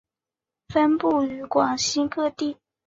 分布于广西等地。